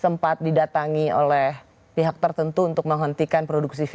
sempat didatangi oleh pihak tertentu untuk menghentikan produksi